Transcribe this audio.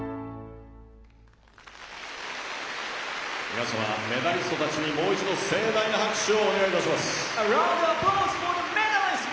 皆様メダリストたちにもう一度盛大な拍手をお願いします。